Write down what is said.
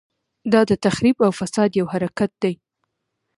دا د تخریب او فساد یو حرکت دی.